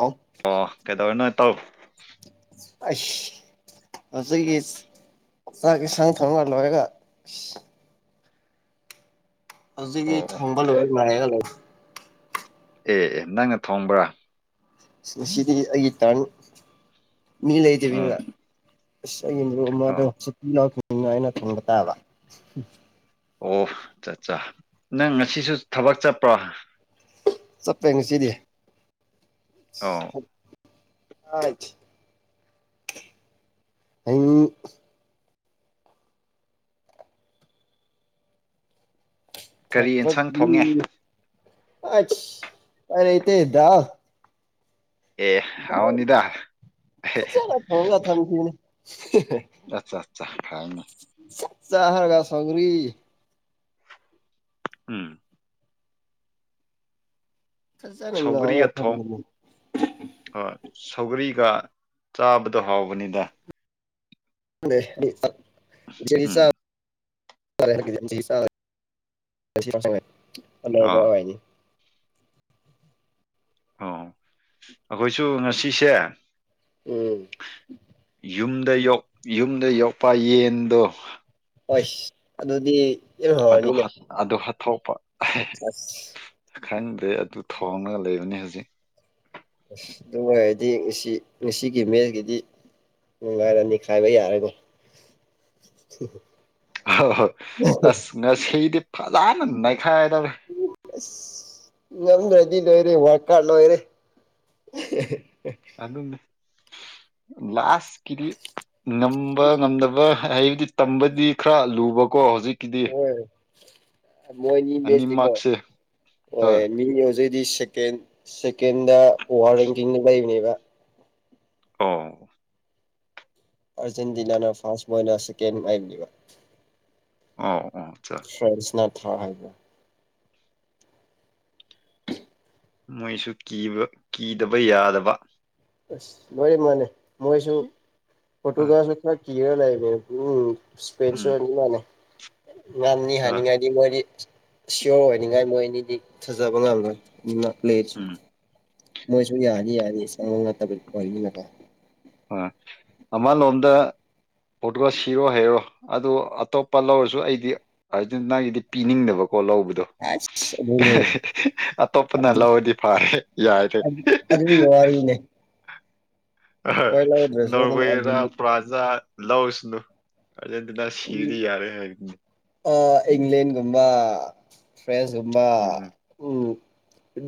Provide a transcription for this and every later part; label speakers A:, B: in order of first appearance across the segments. A: ꯑꯧ
B: ꯑꯣ ꯀꯩꯗꯧꯔꯦ ꯅꯣꯏ ꯇꯧ
A: ꯑꯁ ꯍꯧꯖꯤꯛꯀꯤ ꯆꯥꯛ ꯌꯦ ꯏꯟꯁꯥꯡ ꯊꯣꯡ ꯂꯣꯏꯔꯒ
B: ꯑꯣ
A: ꯑꯗꯨ
B: ꯑꯣ
A: ꯊꯣꯡꯕꯜ ꯂꯅꯨꯡꯒ ꯂ
B: ꯑꯦ ꯑꯦ ꯅꯪꯅ ꯊꯣꯡꯕ꯭ꯔꯥ
A: ꯉꯗꯤ ꯑꯩꯒꯤ ꯇꯥꯟ ꯃꯤ ꯂꯩ
B: ꯎꯝ
A: ꯂꯩꯗꯦꯕ
B: ꯑꯣ
A: ꯂ ꯑꯩꯅ ꯊꯕ ꯇꯥꯕ
B: ꯑꯣ ꯆꯠ ꯆ ꯅꯪ ꯉꯁꯤꯁꯨ ꯊꯕꯛ ꯆꯠꯄ꯭ꯔꯣ
A: ꯆꯠꯄꯦ ꯉꯁꯤꯗꯤ
B: ꯑꯣ
A: ꯑꯖ ꯑ ꯊ
B: ꯀꯔꯤ ꯌꯦꯟꯁꯥꯡ ꯊꯣꯡꯉꯦ
A: ꯑꯩꯇ ꯑꯦꯗ
B: ꯑꯦ ꯍꯥꯎꯅꯤꯗ
A: ꯆꯂ ꯊꯧꯒ ꯊ ꯊꯅ
B: ꯑꯆꯥ ꯑꯠꯆꯥ ꯍꯥꯏꯅ
A: ꯆꯥ ꯍꯔꯒ ꯁꯒꯔꯤ
B: ꯎꯝ
A: ꯐꯖꯅ
B: ꯁꯧꯒꯔꯤ ꯌꯥ
A: ꯉꯧꯔꯒ
B: ꯊꯣꯡ
A: ꯊꯝꯈꯤꯕꯅꯤ
B: ꯍꯣꯏ ꯁꯧꯒꯔꯤꯒ ꯆꯥꯕꯗꯣ ꯍꯥꯎꯕꯅꯤꯗ ꯎꯝ
A: ꯆꯥ
B: ꯑꯥ
A: ꯅꯤ
B: ꯑꯣ ꯑꯩꯈꯣꯏꯁꯨ ꯉꯁꯤꯁꯦ
A: ꯎꯝ
B: ꯌꯨꯝꯗ ꯌ ꯌꯨꯝꯗ ꯌꯣꯛꯄ ꯌꯦꯟꯗꯣ
A: ꯍꯣꯏꯁ ꯑꯗꯨꯗꯤ ꯌꯥꯝ
B: ꯑꯗꯨ
A: ꯍꯧꯔꯅꯤꯅꯦ
B: ꯑꯗꯨ ꯈꯊꯣꯛꯄ
A: ꯑꯁ
B: ꯈꯪꯗꯦ ꯑꯗꯨ ꯊꯣꯡꯉꯒ ꯂꯩꯕꯅꯤ ꯍꯧꯖꯤꯛ
A: ꯑꯁ ꯑꯗꯨꯅꯨꯡꯉꯥꯏꯔꯗꯤ ꯉꯁꯤ ꯉꯁꯤꯒꯤ ꯃꯦꯁꯀꯤꯗꯤ ꯅꯨꯡꯉꯥꯏꯔꯅꯤꯈꯥꯏꯕ ꯌꯥꯔꯒꯣ
B: ꯍꯣꯏ ꯍꯣꯏ ꯑꯁ ꯉꯁꯤꯗꯤ ꯐꯖꯅ ꯅꯅꯥꯈꯥꯏꯗꯧꯔꯦ
A: ꯑꯁ ꯉꯝꯗ꯭ꯔꯗꯤ ꯂꯣꯏꯔꯦ ꯋꯥꯔꯀꯥꯔ ꯂꯣꯏꯔꯦ
B: ꯑꯗꯨꯅꯤ ꯂꯥꯁꯀꯤꯗꯤ ꯉꯝꯕ ꯉꯝꯗꯕ ꯍꯩꯕꯗꯤ ꯇꯝꯕꯗꯤ ꯈꯔ ꯂꯨꯕꯀꯣ ꯍꯧꯖꯤꯛ
A: ꯍꯣꯏ ꯃꯣꯏꯅꯤ ꯃꯦꯁꯅꯤꯀꯣ
B: ꯑꯅꯤꯃꯛꯁꯦ
A: ꯍꯣꯏ ꯃꯤ ꯍꯧꯖꯤꯛ ꯁꯦꯀꯦꯟꯗ ꯑꯣꯚꯔ ꯔꯦꯡꯀꯤꯡ ꯂꯩꯕꯅꯦꯕ
B: ꯑꯣ
A: ꯑꯔꯖꯦꯟꯇꯤꯅꯥꯅ ꯐꯥꯥꯁ ꯃꯣꯜꯅ ꯁꯦꯀ ꯂ
B: ꯑ
A: ꯐ꯭ꯔꯦꯟꯁꯅ ꯊ꯭ꯔꯥ ꯍꯥꯏꯕ
B: ꯃꯣꯏꯁꯨ ꯀꯤꯗꯕ ꯌꯥꯗꯕ
A: ꯑꯁ ꯃ ꯃꯥꯥꯟꯂꯦ ꯃꯣꯏꯁꯨ
B: ꯑ
A: ꯐꯣꯇꯣꯒ꯭ꯔꯥꯐꯁꯨ ꯈꯔ ꯀꯤꯔ ꯂꯩꯕꯅꯦ ꯎꯝ
B: ꯎꯝ
A: ꯏꯁꯄꯦꯟꯁꯨꯅꯤ ꯌꯥꯅꯦ ꯉꯅꯤ
B: ꯑ
A: ꯍꯥꯏꯅꯤꯡꯉꯥꯏꯗꯤ ꯃꯣꯏꯗꯤ ꯁꯤꯌꯣꯔ ꯑꯣꯏꯅꯤꯡꯉꯥꯏ ꯃꯣꯏ ꯑꯅꯤꯗꯤ ꯊꯥꯖꯕ ꯉꯝꯂꯣꯏ ꯭ꯂꯦꯁꯨ
B: ꯎꯝ
A: ꯃꯣꯏꯁꯨ ꯌꯥꯅꯤ ꯌꯥꯅꯤ ꯁꯪꯉꯣ ꯅꯠꯇꯕ ꯑꯣꯏꯅꯤꯅꯀꯣ
B: ꯑ ꯑꯃꯂꯣꯝꯗ ꯐꯣꯇꯣꯒ ꯁꯤꯔꯣ ꯍꯥꯏꯔꯣ ꯑꯗꯨ ꯑꯇꯣꯞꯄ ꯂꯧꯔꯁꯨ ꯑꯩꯗꯤ ꯍꯥꯏꯗꯤ ꯅꯪꯒꯤꯗꯤ ꯄꯤꯅꯤꯡꯗꯕꯀꯣ ꯍꯣ ꯂꯧꯕꯗꯣ
A: ꯑꯁ ꯑꯗꯨꯅꯦ
B: ꯑꯇꯣꯞꯄꯅ ꯂꯧꯔꯗꯤ ꯐꯔꯦ ꯌꯥꯏꯔꯦ
A: ꯦ [unintelligible]
B: ꯅꯣꯔꯋꯦꯔꯥ ꯄ꯭ꯔꯥꯖꯥ ꯂꯥꯎꯁꯅꯨ ꯑꯗꯅ ꯁꯤꯔ ꯌꯥꯔꯦ ꯍꯥꯏ
A: ꯏꯪꯂꯦꯟꯒꯨꯝꯕ ꯐ꯭ꯔꯦꯟꯁꯀꯨꯝꯕ
B: ꯎꯝ
A: ꯎ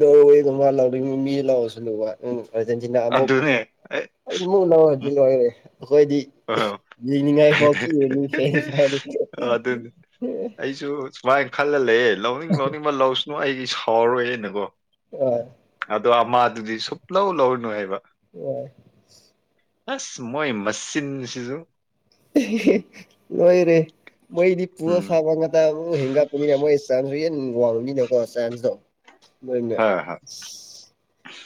A: ꯂꯧ ꯃꯤ ꯂꯧꯔꯁꯨ ꯂꯨꯕ ꯎꯖꯦꯟꯁꯤꯅ ꯑꯃꯨꯛ
B: ꯑꯗꯨꯅꯦ ꯑꯩ
A: ꯃ ꯅꯋꯥ
B: ꯎꯝ
A: ꯖꯤꯜ ꯑꯣꯏꯔꯦ ꯑꯩꯈꯣꯏꯗꯤ
B: ꯑꯍ
A: ꯌꯦꯡꯅꯤꯡꯉꯥꯏ ꯐꯥꯎ ꯀꯉꯅꯤ ꯍ ꯐꯅꯤ
B: ꯑꯗꯨꯅꯤ ꯑꯩꯁꯨ ꯁꯨꯃꯥꯏꯅ ꯈꯜꯂ ꯂꯩꯦ ꯂꯧꯅꯤꯡ ꯂꯧꯅꯤꯡꯕ ꯂꯧꯁꯅꯨ ꯑꯩꯒꯤ ꯁꯥꯎꯔꯔꯣꯏꯦꯅꯀꯣ ꯑꯗꯣ ꯑꯃꯥꯗꯨꯗꯤ ꯁꯨꯞ ꯂꯧꯧ ꯂꯧꯔꯨꯅꯨ ꯍꯥꯏꯕ
A: ꯌꯥꯏ
B: ꯑꯁ ꯃꯣꯏꯣꯏ ꯃꯁꯤꯁꯤꯁꯨ
A: ꯂꯣꯏꯔꯦ ꯃꯣꯏꯗꯤ ꯄꯨꯔ
B: ꯎꯝ
A: ꯐꯥꯕ ꯉꯗ ꯍꯦꯟꯒꯥꯄꯅꯤꯅꯦ ꯃꯣꯏ ꯆꯥꯟꯁꯁꯨ ꯍꯟ ꯋꯥꯡꯅꯤꯅꯀꯣ ꯆꯥꯟꯁꯇꯣ ꯃ
B: ꯍꯣꯏ ꯍꯣꯏ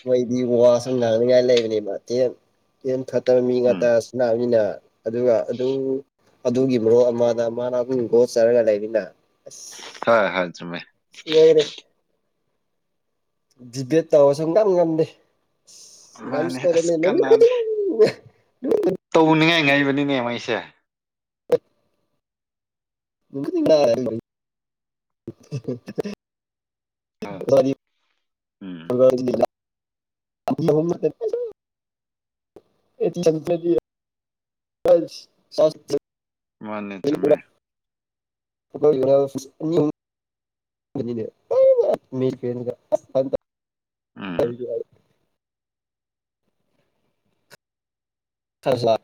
A: ꯃꯩꯗꯤ ꯋꯥ ꯁ ꯉꯥꯡꯅꯤꯡꯉꯥꯏ ꯂꯩꯕꯅꯦꯕ ꯇꯦꯟ ꯇꯦꯟ ꯐꯠꯇꯕ ꯃꯤ
B: ꯎꯝ
A: ꯉꯥꯛꯇꯅꯥꯅꯤꯅ ꯑꯗꯨꯒ ꯑꯗꯨ ꯑꯗꯨꯒꯤ ꯃꯔꯨꯞ ꯑꯃꯗ ꯃꯥꯅ ꯑꯗꯨꯝ ꯒꯣꯠ ꯆꯔꯒ ꯂꯩꯅꯤꯅ ꯑ
B: ꯍꯣꯏ ꯍꯣꯏ ꯆꯨꯝꯃꯦ
A: ꯌꯥꯔꯦ ꯗꯤꯕꯦꯠ ꯇꯧꯔ ꯁꯨꯝ ꯉꯝ ꯉꯝꯗꯦ
B: ꯃꯥꯅꯦ
A: ꯅꯝꯁꯇꯣꯗ
B: ꯑꯁ ꯀꯅꯥꯗ ꯄꯨꯅꯤꯡꯉꯥꯏ ꯉꯥꯏꯕꯅꯤꯅꯦ ꯃꯩꯁꯦ
A: [unintelligible]
B: ꯍꯣꯏ ꯎꯝ
A: [unintelligible] [unintelligible] [unintelligible]
B: ꯃꯅꯤ ꯆꯃꯦ
A: ꯌ
B: ꯎꯝ
A: ꯍꯥꯏ ꯈꯁ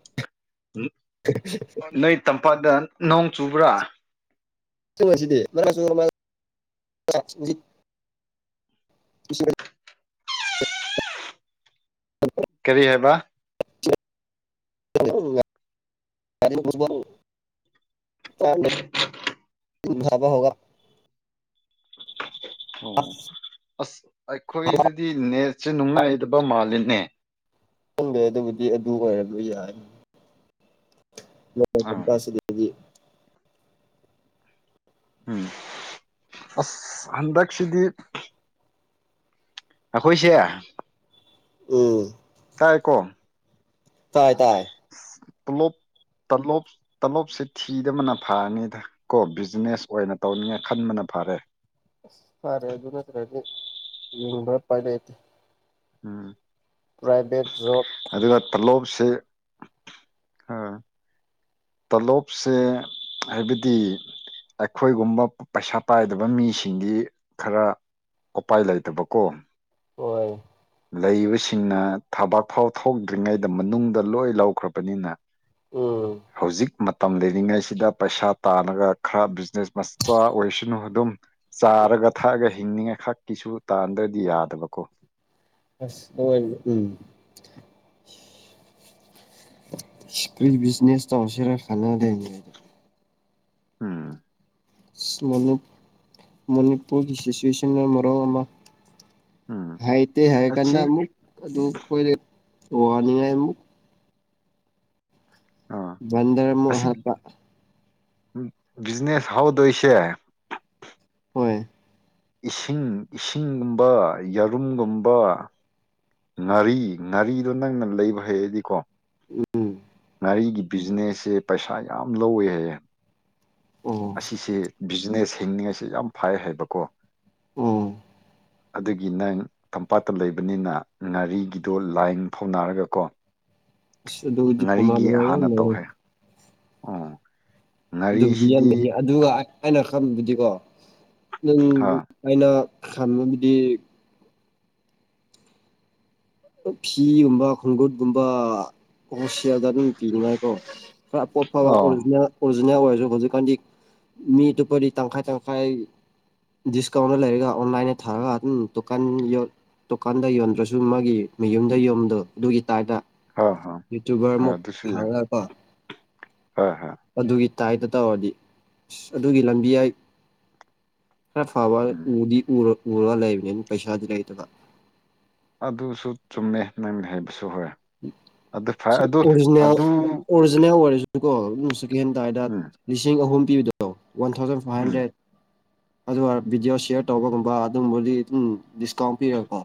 B: ꯅꯣꯏ ꯇꯝꯄꯥꯛꯗ ꯅꯣꯡ ꯆꯨꯕ꯭ꯔꯥ
A: ꯆꯨꯝꯃꯁꯤꯗꯤꯦ ꯃꯔꯥꯁꯨꯃ ꯁꯤ
B: ꯀꯔꯤ ꯍꯥꯏꯕ
A: [unintelligible] ꯦ ꯂꯙꯥꯕꯥ ꯍꯒ
B: ꯑꯣ ꯑꯁ ꯑꯩꯈꯣꯏꯗꯗꯤ ꯅꯦꯠꯁꯦ ꯅꯨꯡꯉꯥꯏꯗꯕ ꯃꯥꯜꯂꯤ ꯅꯦꯅꯦ
A: ꯈꯪꯒꯦ ꯑꯗꯨꯕꯨꯗꯤ ꯑꯗꯨ ꯑꯣꯏꯔꯔꯕꯣꯏ ꯌꯥꯏ ꯃ
B: ꯑꯥ
A: ꯆꯟꯇꯥꯁꯤ ꯗ
B: ꯎꯝ ꯑꯁ ꯍꯟꯗꯛꯁꯤꯗꯤ ꯑꯩꯈꯣꯏꯁꯦ
A: ꯎꯝ
B: ꯇꯥꯏꯀꯣ
A: ꯇꯥꯏ ꯇꯥꯏ
B: ꯇꯂꯨꯞꯞ ꯇꯂꯣꯞ ꯇꯂꯣꯞꯁꯤꯦ ꯊꯤꯗꯕꯅ ꯐꯔꯅꯤꯗ ꯀꯣ ꯕꯤꯖꯤꯅꯦꯁ ꯑꯣꯏꯅ ꯇꯧꯅꯤꯡꯉ ꯈꯟꯕꯅ ꯐꯔꯦ
A: ꯐꯔꯦ ꯑꯖꯅ ꯔꯅꯤ ꯌ ꯄꯥ
B: ꯎꯝ
A: ꯄ꯭ꯔꯥꯏꯚꯦꯠ ꯖꯣꯕ
B: ꯑꯗꯨꯒ ꯇꯂꯣꯞꯁꯤꯦ ꯑ ꯇꯂꯣꯞꯁꯦ ꯍꯥꯏꯕꯗꯤ ꯑꯩꯈꯣꯏꯒꯨꯝꯕ ꯄꯩꯁꯥ ꯄꯥꯏꯗꯕ ꯃꯤꯁꯤꯡꯗꯤ ꯈꯔ ꯎꯄꯥꯏ ꯂꯩꯇꯕꯀꯣ
A: ꯍꯣꯏ
B: ꯂꯩꯕꯁꯤꯡꯅ ꯊꯕꯥꯛ ꯐꯥꯎ ꯊꯣꯛꯗ꯭ꯔꯤꯉꯩꯗ ꯃꯅꯨꯡꯗ ꯂꯣꯏ ꯂꯧꯈ꯭ꯔꯕꯅꯤꯅ
A: ꯎꯝ
B: ꯍꯧꯖꯤꯛ ꯇꯝ ꯂꯩꯔꯤꯉꯩꯁꯤꯗ ꯄꯩꯁꯥ ꯇꯥꯜꯅꯒ ꯈꯔ ꯕꯤꯖꯤꯅꯦꯁ ꯃꯆꯥ ꯑꯣꯏꯁꯅꯨ ꯑꯗꯨꯝ ꯆꯥꯔꯒ ꯊꯛꯑꯒ ꯊꯛꯑꯒ ꯍꯤꯡꯅꯤꯡꯉꯦ ꯈꯛꯀꯤꯁꯨ ꯇꯥꯟꯗ꯭ꯔꯗꯤ ꯌꯥꯗꯕ ꯀꯣ
A: ꯑꯁ ꯎꯝ ꯔꯤ ꯕꯤꯖꯤꯅꯦꯁ ꯇ ꯍꯁꯔ ꯈꯥꯟꯗꯅꯤ
B: ꯎꯝ
A: ꯃꯅꯤꯄꯨꯔꯒꯤ ꯁꯤꯆꯨꯋꯦꯁꯟꯅ ꯃꯔꯝ ꯑꯃ
B: ꯎꯝ
A: ꯍꯥꯏꯇꯦ ꯍꯥꯏ ꯀꯥꯟꯗ
B: ꯑꯁꯤ
A: ꯑꯃꯨꯛ ꯑꯗꯨ ꯑꯩꯈꯣꯏꯗ ꯋꯥꯅꯤꯡꯉꯥꯏ ꯑꯃꯨꯛ
B: ꯑꯥ
A: ꯟꯔ ꯃ
B: ꯑꯁꯤ
A: ꯍꯥꯠꯇ
B: ꯕꯤꯖꯤꯅꯦꯁ ꯍꯥꯎꯗꯣꯏꯁꯦ
A: ꯍꯣꯏ
B: ꯏꯁꯤꯡ ꯏꯁꯤꯡꯒꯨꯝꯕ ꯌꯥꯔꯨꯝꯒꯨꯝꯕ ꯉꯥꯔꯤ ꯉꯥꯔꯤꯗꯣ ꯅꯪꯅ ꯂꯩꯕ ꯍꯩꯔꯗꯤꯀꯣ
A: ꯎꯝ
B: ꯥꯔꯤꯒꯤ ꯕꯤꯖꯤꯅꯦꯁꯁꯦ ꯄꯩꯁꯥ ꯌꯥꯝ ꯂꯧꯋꯦ ꯍꯥꯏꯌꯦꯦ
A: ꯑꯣ
B: ꯑꯁꯤꯁꯦ ꯕꯤꯖꯤꯅꯦꯁ ꯍꯤꯡꯅꯤꯡꯉꯥꯏꯁꯤ ꯌꯥꯝ ꯐꯩ ꯍꯥꯏꯕꯀꯣ
A: ꯎꯝ
B: ꯑꯗꯨꯒꯤ ꯅꯪ ꯇꯝꯄꯥꯛꯇ ꯂꯩꯕꯅꯤꯅ ꯉꯥꯔꯤꯒꯤꯗꯣ ꯂꯥꯏꯟ ꯐꯥꯎꯅꯔꯒ ꯀꯣ
A: ꯁꯗꯖꯤ ꯐꯣꯂ ꯂꯩꯉ ꯃ
B: ꯑꯥ
A: ꯑꯗꯨꯒꯤꯗꯤ ꯌꯦꯅꯅꯤ ꯑꯗꯨꯒ ꯑꯩꯅ ꯈꯪꯕꯕꯨꯗꯤꯀꯣ ꯅꯪ
B: ꯍꯥ
A: ꯑꯥꯏꯅꯥ ꯈꯥꯟꯅꯕꯕꯗꯤ ꯐꯤꯒꯨꯝꯕ ꯈꯣꯡꯒꯨꯠꯒꯨꯝꯕ ꯑꯣꯣꯗ ꯑꯗꯨꯝ ꯄꯤꯅꯤꯡꯉꯥꯏ ꯀꯣ ꯈꯔ ꯄꯣꯠ ꯐꯕ
B: ꯑꯣ
A: ꯑꯣꯖꯤ ꯐꯅ ꯑꯣꯏꯔꯁꯨ ꯍꯧꯖꯤꯛꯀꯥꯟꯗꯤ ꯃꯤ ꯇꯣꯞꯄꯗꯤ ꯇꯪꯈꯥꯏ ꯇꯪꯈꯥꯏ ꯗꯤꯁꯀꯥꯎꯟꯗ ꯂꯩꯔꯒ ꯑꯣꯟꯂꯥꯏꯟꯗ ꯊꯥꯔꯒ ꯑꯗꯨꯝ ꯗꯨꯀꯥꯟ ꯗꯨꯀꯥꯟꯗ ꯌꯣꯟꯗ꯭ꯔꯁꯨ ꯃꯥꯒꯤ ꯃꯌꯨꯝꯗ ꯌꯣꯟꯕꯗꯣ ꯑꯗꯨꯒꯤ ꯇꯥꯏꯞꯇ
B: ꯍ ꯍ
A: ꯌꯨꯇꯨꯕꯔ ꯃꯨ ꯐꯜꯅ ꯀ
B: ꯍꯥ ꯍꯥ
A: ꯇꯥꯏꯇ ꯇꯧꯔꯗꯤ ꯑꯁ ꯑꯗꯨꯒꯤ ꯂꯝꯕꯤ ꯌꯥꯏ ꯍ ꯐꯥꯕ
B: ꯎꯝ
A: ꯎꯗꯤ ꯎ ꯎꯔ ꯂꯩꯕꯅꯦ ꯄꯩꯁꯥꯗ ꯂꯩ ꯇ
B: ꯑꯗꯨꯁꯨ ꯆꯨꯝꯃꯦ ꯅꯪ ꯍꯥꯏꯕꯁꯨ ꯍꯣꯏ ꯑꯗꯨ ꯐꯩ ꯑꯗꯨ
A: ꯑꯣꯔꯤꯖꯤꯅꯦꯜ
B: ꯑꯗꯨ
A: ꯑꯣꯔꯤꯖꯤꯅꯦꯜ ꯑꯣꯏꯔꯦꯁꯨ ꯀꯣ ꯑꯗꯨ ꯁꯦꯀꯦꯟ ꯍꯦꯟ ꯇꯗ
B: ꯎꯝ
A: ꯂꯤꯁꯤꯡ ꯑꯍꯨꯝ ꯄꯤꯕꯤꯗꯣꯏꯣ one thousand five
B: um
A: hundred ꯑꯗꯨꯒ ꯚꯤꯗꯤꯑꯣ ꯁꯤꯌꯥꯔ ꯇꯧꯕꯒꯨꯝꯕ ꯑꯗꯨꯕꯨꯂꯤ ꯑꯗꯨꯝ ꯗꯤꯁꯀꯥꯎꯟ ꯄꯤꯔꯒꯀꯣ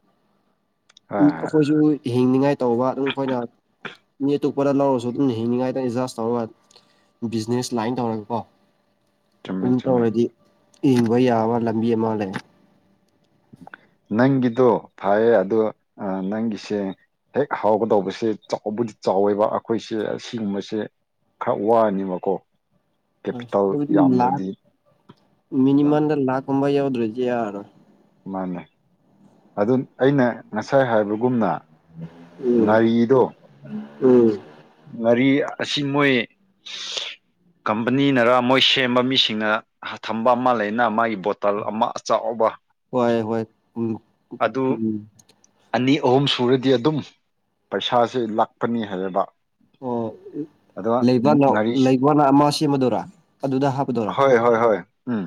A: ꯎ
B: ꯍꯣꯏ ꯍꯣꯏ
A: ꯑꯩꯈꯣꯏꯁꯨ ꯍꯤꯡꯅꯤꯉꯥꯏ ꯇꯧꯕ ꯑꯗꯨꯝ ꯑꯩꯈꯣꯏꯅ ꯃꯤ ꯑꯇꯣꯄꯗ ꯂꯧꯔꯁꯨ ꯑꯗꯨꯝ ꯍꯤꯡꯅꯤꯡꯉꯥꯏꯗ ꯑꯦꯖꯥꯖ ꯇꯧꯔꯒ ꯕꯤꯖꯤꯅꯦꯁ ꯂꯥꯏꯟ ꯇꯧꯔꯒꯀꯣ
B: ꯆꯨꯝꯃꯦ
A: ꯑꯗꯨꯝ
B: ꯆꯨꯝꯃꯦ
A: ꯇꯧꯔꯗꯤ ꯏꯪꯕ ꯌꯥꯕ ꯂꯝꯕꯤ ꯑꯃ ꯂꯩ
B: ꯅꯪꯒꯤꯗꯣ ꯐꯌꯦ ꯑꯗꯣ ꯅꯪꯒꯤꯁꯦꯜ ꯅꯪꯅ ꯅꯗ ꯈꯔꯗ ꯍꯦꯛ ꯍꯥꯎꯒꯗꯧꯕꯁꯦ ꯆꯥꯎꯕꯨꯗꯤ ꯆꯥꯎꯋꯦꯕ ꯑꯩꯈꯣꯏꯁꯦ ꯑꯁꯤꯒꯨꯝꯕꯁꯦ ꯈ ꯋꯥꯅꯤꯃꯀꯣ
A: ꯂ
B: ꯑ
A: ꯃꯤꯅꯤꯃꯝꯗ ꯂꯥꯈ ꯀꯝꯕ ꯌꯥꯎꯗ꯭ꯔꯔꯤꯁꯤ ꯌꯥꯔꯣ
B: ꯃꯥꯅꯦ ꯑꯗꯨ ꯑꯩꯅ ꯉꯁꯥꯏ ꯍꯥꯏꯕꯒꯨꯝꯅ
A: ꯎꯝ
B: ꯉꯥꯔꯤꯗꯣ
A: ꯎꯝ
B: ꯉꯥꯔꯤ ꯑꯁꯤ ꯃꯣꯏ ꯀꯝꯄꯅꯤꯅꯔ ꯃꯣꯏ ꯁꯦꯝꯕ ꯃꯤꯁꯤꯡꯅ ꯊꯝꯕ ꯑꯃ ꯂꯩꯅ ꯃꯥꯒꯤ ꯕꯣꯇꯜ ꯑꯃ ꯑꯆꯥꯎꯕ
A: ꯍꯣꯏ ꯍꯣꯏ ꯎꯝ
B: ꯑꯗꯨ
A: ꯎꯝ
B: ꯑꯅꯤ ꯑꯍꯨꯝ ꯁꯨꯔꯗꯤ ꯑꯗꯨꯝ ꯄꯩꯁꯥꯁꯦ ꯂꯥꯛꯄꯅꯤ ꯍꯥꯏꯌꯦꯕ
A: ꯑꯣ ꯎ
B: ꯑꯗꯣ
A: ꯂꯩꯕ
B: ꯉꯥꯔꯤꯁꯤ
A: ꯂꯩꯕꯅ ꯑꯃ ꯁꯦꯝꯃꯗꯣꯏꯔꯥ ꯑꯗꯨꯗ ꯍꯥꯞꯄꯗꯣꯏꯔꯥ
B: ꯍꯣꯏ ꯍꯣꯏ ꯍꯣꯏ ꯎꯝ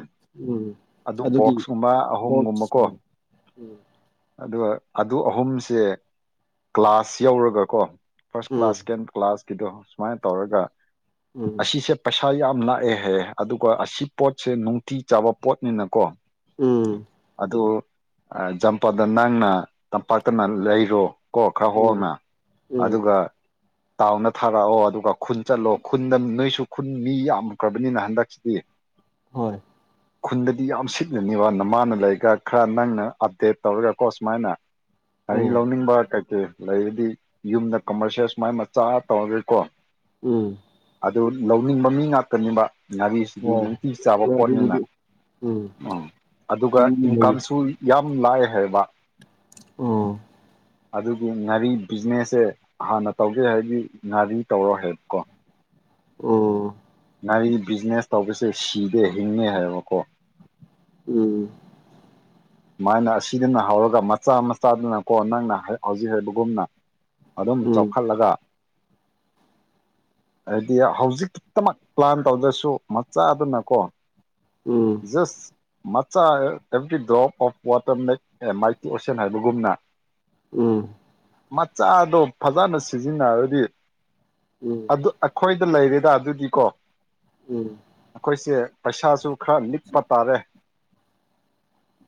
A: ꯎꯝ
B: ꯑꯗꯨ
A: ꯑꯗꯨꯒꯤ
B: ꯕꯣꯛꯁꯀꯨꯝꯕ
A: ꯍꯣꯞꯁ
B: ꯑꯍꯨꯝꯒꯨꯝꯕꯀꯣ
A: ꯎꯝ
B: ꯑꯗꯨꯒ ꯑꯗꯨ ꯑꯍꯨꯝꯁꯦ ꯀ꯭ꯂꯥꯁ ꯌꯧꯔꯒ ꯀꯣ ꯐꯥꯔꯁ
A: ꯎꯝ
B: ꯀ꯭ꯂꯥꯁ ꯁꯦꯀꯦꯟ ꯀ꯭ꯂꯥꯁꯀꯤꯗꯣ ꯁꯨꯃꯥꯏꯅ ꯇꯧꯔꯒ
A: ꯎꯝ
B: ꯑꯁꯤꯁꯦ ꯄꯩꯁ ꯏꯁꯥ ꯌꯥꯝ ꯂꯥꯛꯑꯦꯍ ꯑꯗꯨꯒ ꯑꯁꯤ ꯄꯣꯠꯁꯦ ꯅꯨꯡꯇꯤ ꯆꯥꯕ ꯄꯣꯠꯅꯤꯅꯀꯣ
A: ꯎꯝ
B: ꯑꯗ ꯑ ꯝ ꯂꯄꯥꯗ ꯅꯪꯅ ꯇꯝꯄꯥꯛꯇꯅ ꯂꯩꯔꯣ ꯀꯣ ꯈꯔ
A: ꯎꯝ
B: ꯍꯣꯅ
A: ꯎꯝ
B: ꯑꯗꯨꯒ ꯇꯥꯎꯗ ꯊꯥꯔꯛꯑꯣ ꯑꯗꯨꯒ ꯈꯨꯟ ꯆꯠꯂꯣ ꯈꯨꯟꯗ ꯅꯣꯏꯁꯨ ꯗꯗꯤ ꯈꯨꯟ ꯃꯤ ꯌꯥꯝꯈ꯭ꯔꯕꯅꯤꯅ ꯍꯟꯗꯛꯁꯤꯗꯤ
A: ꯍꯣꯏ
B: ꯈꯨꯟꯗꯗꯤ ꯌꯥꯝ ꯁꯤꯠꯅꯅꯤꯕꯅ ꯃꯥꯅ ꯂꯩꯔꯒ ꯈꯔ ꯅꯪꯅ ꯑꯞꯗꯦꯠ ꯇꯧꯔꯒꯀꯣ ꯁꯨꯃꯥꯏꯅ ꯍꯥꯏꯔꯤ
A: ꯎꯝ
B: ꯂꯧꯅꯤꯡꯕ ꯀꯩꯀꯩ ꯂꯩꯔꯗꯤ ꯌꯨꯝꯗ ꯀꯃꯔꯁꯤꯦꯜ ꯁꯨꯃꯥꯏꯅ ꯃꯆꯥ ꯇꯧꯔꯒꯀꯣ
A: ꯎꯝ
B: ꯑꯗꯨ ꯂꯧꯅꯤꯡꯕ ꯃꯤ ꯉꯥꯛꯇꯅꯤꯕ ꯉꯥꯔꯤꯁꯤꯗꯤ
A: ꯍꯣꯏ
B: ꯅꯨꯡꯇꯤ ꯆꯥꯕ ꯄꯣꯠꯅꯤꯅ
A: ꯑꯗꯨꯕꯨꯗꯤ
B: ꯎꯝ ꯑꯗꯨꯒ
A: ꯎꯝ
B: ꯏꯟꯀꯝꯁꯨ ꯌꯥꯝ ꯂꯥꯏ ꯍꯥꯏꯕ
A: ꯑꯣ
B: ꯑꯗꯨꯒꯤ ꯉꯥꯔꯤ ꯕꯤꯖꯤꯅꯦꯁꯁꯦ ꯍꯥꯟꯅ ꯇꯧꯒꯦ ꯍꯥꯏꯕꯗꯤ ꯉꯥꯔꯤ ꯇꯧꯔꯣ ꯍꯥꯏꯕꯀꯣ
A: ꯑꯣ
B: ꯉꯔꯤ ꯕꯤꯖꯤꯅꯦꯁ ꯇꯧꯕꯁꯦ ꯁꯤꯗꯦ ꯍꯤꯡꯉꯦ ꯍꯥꯏꯕꯀꯣ
A: ꯎꯝ
B: ꯁꯨꯃꯥꯏꯅ ꯑꯁꯤꯗꯅ ꯍꯧꯔꯒ ꯃꯆꯥ ꯃꯆꯥꯗꯨꯅꯀꯣ ꯅꯪꯅ ꯍꯧꯖꯤꯛ ꯍꯥꯏꯕꯒꯨꯝꯅ ꯑꯗꯨꯝ
A: ꯎꯝ
B: ꯆꯥꯎꯈꯠꯂꯒ
A: [unintelligible]
B: ꯍꯥꯏꯗꯤ ꯍꯧꯖꯤꯛꯛꯇꯃꯛ ꯄ꯭ꯂꯥꯟ ꯇꯧꯗ꯭ꯔꯁꯨ ꯃꯆꯥ ꯑꯗꯨꯅꯀꯣ
A: ꯎꯝ
B: ꯖꯁ ꯃꯆꯥ app drop of water make ꯑꯦ ꯃꯥꯏꯀꯤ ꯑꯣꯁꯟ ꯍꯥꯏꯕꯒꯨꯝꯅ
A: ꯎꯝ
B: ꯃꯆꯥꯗꯣ ꯐꯖꯅ ꯁꯤꯖꯤꯟꯅꯔꯗꯤ
A: ꯎꯝ
B: ꯑꯗꯨ ꯑꯩꯈꯣꯏ ꯑꯗꯨ ꯂꯩꯔꯦꯗ ꯑꯗꯨꯗꯤ ꯀꯣ
A: ꯎꯝ
B: ꯑꯩꯈꯣꯏꯁꯦ ꯄꯩꯁꯥꯁꯨ ꯈꯔ ꯂꯤꯛꯄ ꯇꯥꯔꯦ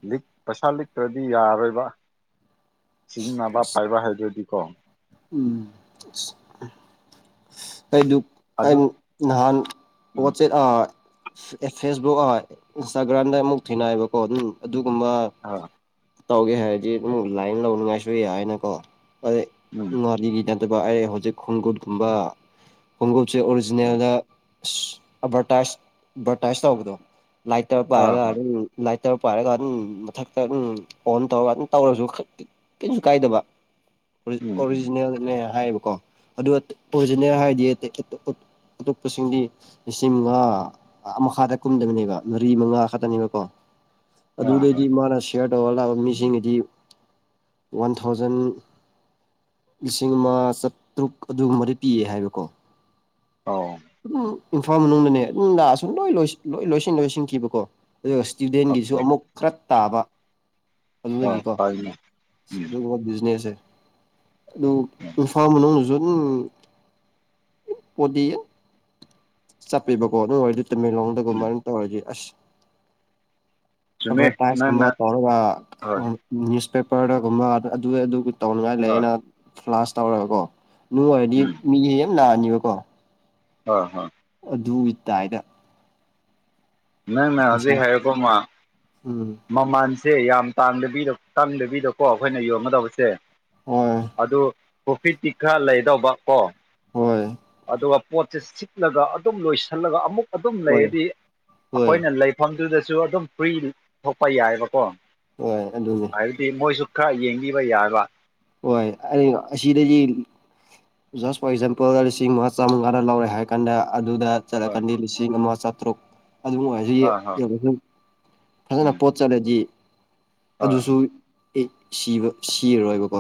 B: ꯂꯤꯛ ꯄꯩꯁꯥ ꯂꯤꯛꯇ꯭ꯔꯗꯤ ꯌꯥꯔꯣꯏꯕ ꯁꯤꯖꯤꯟꯅꯕ ꯄꯥꯏꯕ ꯍꯥꯏꯗꯨꯗꯤ ꯀꯣ
A: ꯎꯝ ꯑꯩꯗꯨ ꯑ
B: ꯑꯗꯨ
A: ꯅꯍꯥꯟ
B: ꯎꯝ
A: ꯋꯥꯆꯦꯠ ꯐꯦꯁꯕꯨꯛ ꯏꯟꯁꯇꯥꯒ꯭ꯔꯥꯝꯗ ꯑꯃꯨꯛ ꯊꯤꯅꯑꯌꯦꯕꯀꯣ ꯑꯗꯨꯝ ꯑꯗꯨꯒꯨꯝꯕ
B: ꯑ
A: ꯇꯧꯒꯦ ꯍꯥꯏꯔꯗꯤ ꯑꯗꯨꯝ ꯂꯥꯏꯟ ꯂꯧꯅꯤꯡꯉꯥꯏꯁꯨꯏ ꯍꯥꯏꯅꯀꯣ ꯑꯗꯩ
B: ꯎꯝ
A: ꯥꯔꯤꯒꯤ ꯅꯠꯇꯕ ꯑꯩ ꯍꯧꯖꯤꯛ ꯈꯣꯡꯎꯨꯠꯀꯨꯝꯕ ꯈꯣꯡꯎꯠꯁꯦ ꯑꯣꯔꯤꯖꯤꯅꯦꯜꯗ ꯑꯚꯔꯇꯥꯏ ꯑꯦꯠꯚꯔꯇꯥꯏꯁ ꯇꯧꯕꯗꯣ ꯂꯥꯏꯠꯇ
B: ꯑ
A: ꯄꯥꯏꯔꯒ
B: ꯍꯣꯏ
A: ꯑꯗꯨꯝ ꯇꯔ ꯄꯥꯏꯔꯒ ꯑꯗꯨꯝ ꯃꯊꯛꯇꯝ ꯑꯣꯟ ꯇꯧꯔꯒ ꯑꯗꯨꯝ ꯇꯧꯔꯁꯨ ꯀꯁꯨ ꯀꯥꯏꯗꯕ
B: ꯎꯝ ꯎꯝ
A: ꯑꯣꯔꯤꯖꯤꯅꯦꯜꯅꯦ ꯍꯥꯏꯌꯦꯕꯀꯣ ꯑꯗꯨ ꯑꯣꯔꯤꯖꯤꯅꯦꯜ ꯍꯥꯏꯗꯤ ꯑꯇꯣꯞꯄꯁꯤꯡꯗꯤ ꯂꯤꯁꯤꯡ ꯃꯉꯥ ꯃꯈꯥꯗ ꯀꯨꯝꯗꯕꯅꯦꯕ ꯃꯔꯤ ꯃꯉꯥ ꯈꯛꯇꯅꯦꯕꯀꯣ
B: ꯑ
A: ꯑꯕꯨꯗꯗꯤ
B: ꯍꯣꯏ
A: ꯃꯥꯔ ꯁꯦꯔꯠ ꯇꯔ ꯂꯥꯕ ꯃꯤꯁꯤꯡꯒꯤꯗꯤ ꯋꯥꯟ ꯊꯥꯎꯖꯟ ꯂꯤꯁꯤꯡ ꯑꯃ ꯆꯥꯇ꯭ꯔꯨꯛ ꯑꯗꯨꯒꯨꯝꯕꯗꯤ ꯄꯤꯌꯦ ꯍꯥꯏꯕꯀꯣ
B: ꯑꯣ
A: ꯝ ꯏꯝꯐꯥꯜ ꯃꯅꯨꯡꯗꯅꯦ ꯑꯗꯨꯝ ꯂꯥꯛꯑꯁꯨꯝ ꯂꯣꯏ ꯂ ꯂꯣꯏꯁꯤꯟ ꯂꯣꯏꯁꯤꯟꯈꯤꯕꯀꯣ ꯑꯗꯨꯒ ꯏꯁꯇꯨꯗꯦꯟꯒꯤꯁꯨ
B: ꯑꯆꯥ
A: ꯑꯃꯨꯛ ꯈꯔ ꯇꯥꯕ
B: ꯑ
A: ꯑꯗꯨꯗꯒꯤ ꯀꯣ
B: ꯐꯩꯅꯦ ꯎꯝ
A: ꯑꯗꯨ ꯕꯤꯖꯤꯅꯦꯁꯦ ꯑꯗꯨ
B: ꯎꯝ
A: ꯏꯝꯐꯥ ꯃꯅꯨꯡꯖꯟ ꯄꯣꯗꯤ ꯆꯠꯄꯤꯕꯀꯣ ꯑꯗꯨ ꯑꯣꯏꯗꯤ ꯇꯃꯦꯂꯣꯡꯗꯒꯨꯝ
B: ꯎꯝ
A: ꯃꯅ ꯇꯧ ꯑꯣꯏꯗꯤ ꯑꯁ
B: ꯆꯨꯝꯃꯦ ꯅꯪꯅ
A: ꯑꯦꯚꯔꯇꯥꯏꯁꯀꯨꯝꯕ ꯇꯧꯔꯒ
B: ꯍꯣꯏ
A: ꯅ꯭ꯌꯨꯁꯄꯦꯄꯔꯗꯒꯨꯝꯕ ꯇꯧꯅꯤꯡꯉꯥꯏ
B: ꯍꯣꯏ
A: ꯂꯩꯌꯦꯦꯅ ꯐ꯭ꯂꯥꯁ ꯇꯧꯔꯒꯀꯣ ꯅꯨꯡ ꯑꯣꯏꯔꯗꯤ ꯃꯤ ꯍꯦ ꯌꯥꯝ ꯅꯥꯅꯤꯕꯀꯣ
B: ꯍ ꯍ
A: ꯑꯗꯨꯒꯤ ꯇꯗ
B: ꯅꯪ ꯅꯪ ꯍꯧꯖꯤꯛ ꯍꯥꯏꯀꯣ ꯃꯥ
A: ꯎꯝ
B: ꯃꯃꯥꯟ ꯁꯦ ꯌꯥꯝ ꯇꯕꯤ ꯇꯟꯗꯕꯤꯗꯀꯣ ꯑꯩꯈꯣꯏꯅ ꯌꯣꯟꯒꯗꯕꯁꯦ
A: ꯍ
B: ꯀꯣꯐꯤ ꯇꯤꯛ ꯈꯔ ꯂꯩꯗꯧꯕ ꯀꯣ
A: ꯍꯣꯏ
B: ꯑꯗꯨꯒ ꯄꯣꯠꯁꯦ ꯁꯤꯠꯂꯒ ꯑꯗꯨꯝ ꯂꯣꯏꯁꯤꯜꯂꯒ ꯑꯃꯨꯛ ꯑꯗꯨꯝ
A: ꯍꯣꯏ
B: ꯂꯩꯔꯗꯤ
A: ꯍꯣꯏ
B: ꯑꯩꯈꯣꯏꯅ ꯂꯩꯐꯝ ꯑꯗꯨꯗꯁꯨ ꯑꯗꯨꯝ ꯐ꯭ꯔꯤ ꯊꯣꯛꯄ ꯌꯥꯏꯑꯕꯀꯣ
A: ꯍꯣꯏ ꯑꯗꯨꯅꯦ
B: ꯍꯥꯏꯕꯗꯤ ꯃꯣꯏꯁꯨ ꯈꯔ ꯌꯦꯡꯕꯤꯕ ꯌꯥꯔꯕ
A: ꯍꯣꯏ ꯑ ꯑꯁꯤ ꯁꯤꯗꯖꯤ ꯖꯁ ꯐꯣꯔ ꯑꯦꯛꯖꯥꯝꯄꯜ ꯂꯤꯁꯤꯡ ꯃꯉꯥ ꯆꯥꯝꯃꯉꯥ ꯂꯧꯔꯦ ꯍꯥꯏꯔ ꯀꯥꯟꯗ ꯑꯗꯨꯗ
B: ꯍꯣꯏ
A: ꯆꯠꯂꯛꯀꯅꯤ ꯂꯤꯁꯤꯡ ꯑꯃ ꯆꯥꯇ꯭ꯔꯨꯛ ꯑꯗꯨꯝ ꯑꯣꯏꯔꯁꯨ
B: ꯍꯣꯏ ꯍꯣꯏ
A: ꯌꯦꯡꯁꯨ ꯐꯖꯅ
B: ꯎꯝ
A: ꯄꯣꯠ ꯆꯠꯂꯗꯤ
B: ꯍꯣꯏ
A: ꯑꯗꯨꯁꯨ ꯑꯦ ꯁꯤꯕ ꯁꯤꯔꯔꯣꯏꯕꯀꯣ